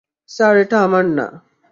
Sir, এটা আমার না।